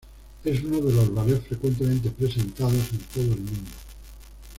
Es uno de los ballets frecuentemente presentado en todo el mundo.